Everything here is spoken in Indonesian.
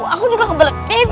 aku juga kebalik